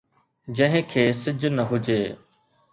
جنهن کي سج نه هجي